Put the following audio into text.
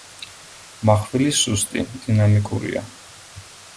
მახვილი სუსტი, დინამიკურია.